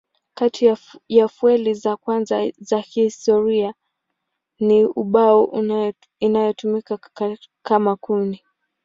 Kati ya fueli za kwanza za historia ni ubao inayotumiwa kama kuni.